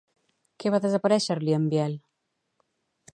Què va desaparèixer-li, a en Biel?